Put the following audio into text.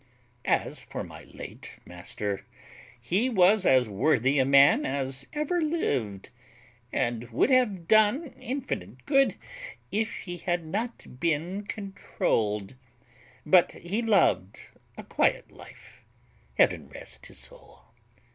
As for my late master, he was as worthy a man as ever lived, and would have done infinite good if he had not been controlled; but he loved a quiet life, Heaven rest his soul!